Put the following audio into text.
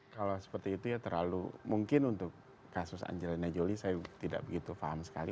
kalau seperti itu ya terlalu mungkin untuk kasus angelina jolie saya tidak begitu paham sekali